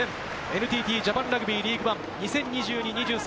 ＮＴＴジャパンラグビーリーグワン２０２２−２０２３